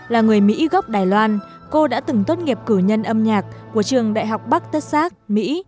là người mỹ gốc đài loan cô đã từng tốt nghiệp cử nhân âm nhạc của trường đại học bắc texac mỹ